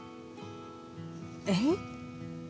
えっ？